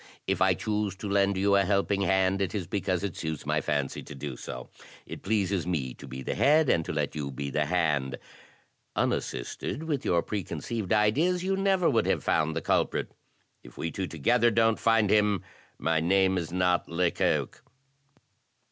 "If I choose to lend you a helping hand, it is because it suits my fancy to do so. It pleases me to be the head, and to let you be the hand. Unassisted, with your preconceived ideas,' you never would have found the culprit; if we two together don't find him, my name is not Lecoq."